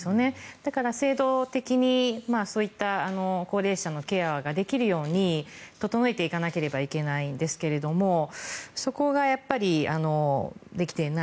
だから制度的にそういった高齢者のケアができるように整えていかなければいけないんですがそこができていない。